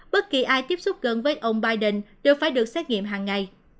bất kỳ ai tiếp xúc gần với ông biden đều phải được xét nghiệm hàng ngày